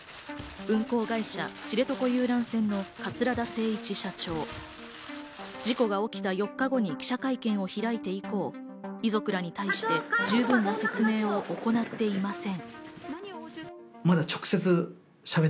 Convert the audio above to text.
運航会社・知床遊覧船の桂田精一社長、事故が起きた４日後に記者会見を開いて以降、遺族らに対して十分な説明を行っていません。